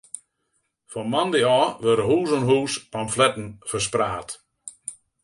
Fan moandei ôf wurde hûs oan hûs pamfletten ferspraat.